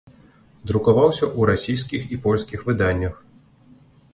Друкаваўся ў расійскіх і польскіх выданнях.